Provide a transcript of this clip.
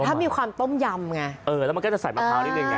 ถ้ามีความต้มยำไงเออแล้วมันก็จะใส่มะพร้าวนิดนึงไง